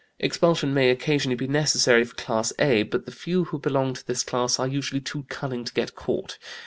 Expulsion may occasionally be necessary for class (a), but the few who belong to this class are usually too cunning to get caught.